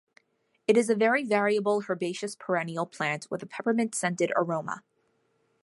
It is a very variable herbaceous perennial plant with a peppermint-scented aroma.